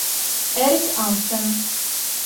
Erik Hansen